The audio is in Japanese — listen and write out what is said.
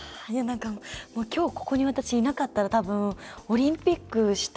きょう、ここに私いなかったら、たぶんオリンピックした。